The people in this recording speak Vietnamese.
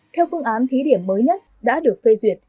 theo phương án thí điểm mới nhất đã được phê duyệt